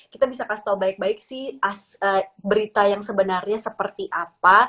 kita bisa kasih tahu baik baik sih berita yang sebenarnya seperti apa